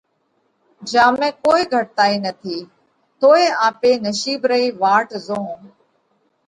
جيا ۾ ڪوئي گھٽتائِي نٿِي۔ توئي آپي نشِيٻ رئي واٽ زوئونه